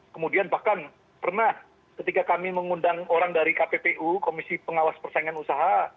kemudian bahkan pernah ketika kami mengundang orang dari kppu komisi pengawas persaingan usaha